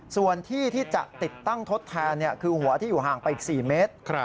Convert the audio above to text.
ส่วนที่ที่จะติดตั้งทดแทนคือหัวที่อยู่ห่างไปอีก๔เมตร